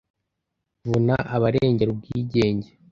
Vuna abarengera ubwigenge